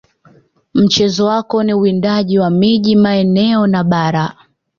Mchezo wako ni uwindaji wa miji maeneo na mabara